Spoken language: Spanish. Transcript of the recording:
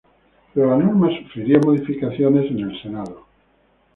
Pero la norma sufriría modificaciones en el Senado.